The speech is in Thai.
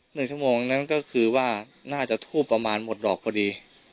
หนึ่งชั่วโมงนั้นก็คือว่าน่าจะทูบประมาณหมดดอกพอดี